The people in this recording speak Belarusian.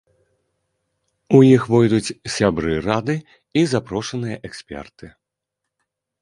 У іх увойдуць сябры рады і запрошаныя эксперты.